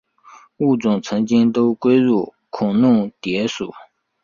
物种曾经都归入孔弄蝶属。